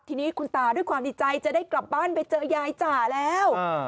ทีนี้คุณตาด้วยความดีใจจะได้กลับบ้านไปเจอยายจ๋าแล้ว